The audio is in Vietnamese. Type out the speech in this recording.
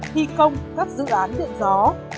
thi công các dự án điện gió